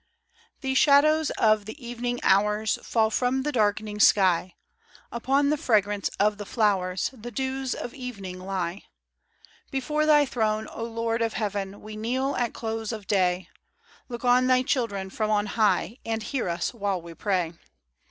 'THE shadows of the evening hours Fall from the darkening sky ; Upon the fragrance of the flowers The dews of evening lie; Before Thy throne, O Lord of heaven, We kneel at close of day; Look on Thy children from on high And hear us while we pray.